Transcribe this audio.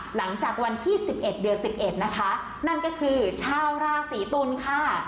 หลังจากวันที่สิบเอ็ดเดือสิบเอ็ดนะคะนั่นก็คือชาวลาศีตุลค่ะ